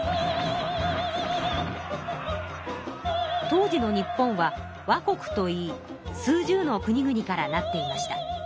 当時の日本は倭国といい数十のくにぐにから成っていました。